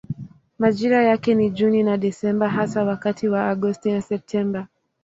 Majira yake ni Juni na Desemba hasa wakati wa Agosti na Septemba.